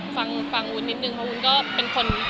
ฟังวุ้นนิดนึงเพราะวุ้นก็เป็นคน